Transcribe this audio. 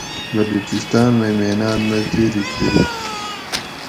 بلوچستان مئی محنات مزدیری کۤری